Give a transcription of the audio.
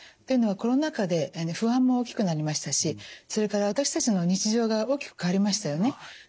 というのはコロナ禍で不安も大きくなりましたしそれから私たちの日常が大きく変わりましたよね。